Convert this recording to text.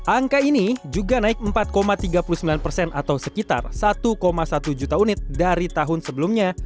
angka ini juga naik empat tiga puluh sembilan persen atau sekitar satu satu juta unit dari tahun sebelumnya